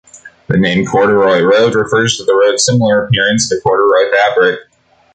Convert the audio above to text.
The name "corduroy road" refers to the road's similar appearance to corduroy fabric.